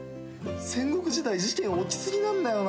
戦国時代事件起きすぎなんだよな。